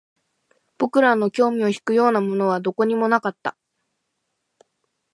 僕らの興味を引くようなものはどこにもなかった